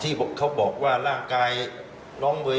เขาบอกว่าร่างกายน้องเมย์